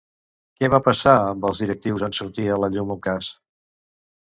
Què va passar amb els directius en sortir a la llum el cas?